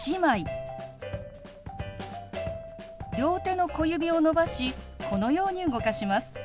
両手の小指を伸ばしこのように動かします。